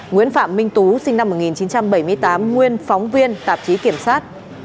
nguyễn phạm minh tú sinh năm một nghìn chín trăm bảy mươi tám nguyên phóng viên tạp chí kiểm soát